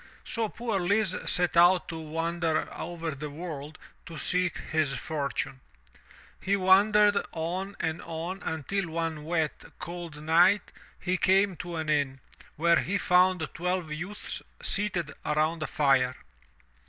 So poor Lise set out to wander over the world to seek his fortune. He wandered on and on until one wet, cold night he came to an inn, where he found twelve youths seated around a fire.